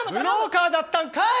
ブローカーだったんかい。